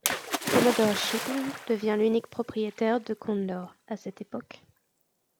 Commodore Shipping devient l'unique propriétaire de Condor à cette époque.